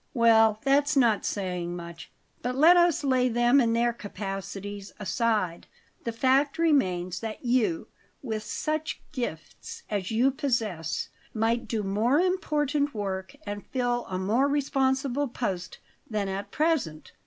"Well, that's not saying much; but let us lay them and their capacities aside. The fact remains that you, with such gifts as you possess, might do more important work and fill a more responsible post than at present."